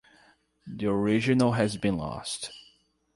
The original has been lost.